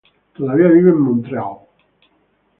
Todavía vive en Montreal.